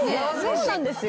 そうなんですよ。